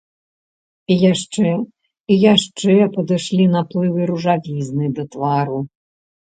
І яшчэ і яшчэ падышлі наплывы ружавізны да твару.